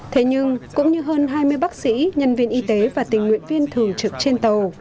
thế nhưng cũng như hơn hai mươi bác sĩ nhân viên y tế và tình nguyện viên thường trực trên tàu